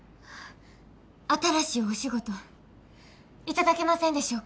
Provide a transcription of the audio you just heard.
新しいお仕事頂けませんでしょうか。